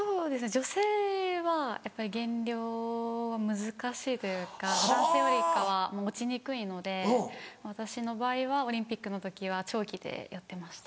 女性はやっぱり減量難しいというか男性よりかは落ちにくいので私の場合はオリンピックの時は長期でやってました。